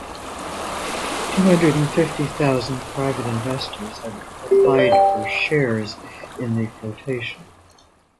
Two hundred and fifty thousand private investors had applied for shares in the flotation.